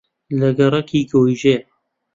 لە گەڕەکی گۆیژەیە